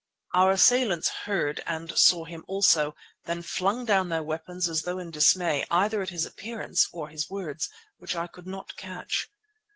Our assailants heard and saw him also, then flung down their weapons as though in dismay either at his appearance or his words, which I could not catch.